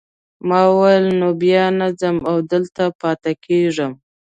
ما وویل نو بیا نه ځم او دلته پاتې کیږم.